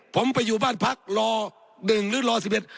ผมไปอยู่บ้านพักรอหนึ่งหรือรอ๑๑